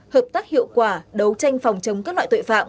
hợp tác hiệu quả đấu tranh phòng chống các loại tội phạm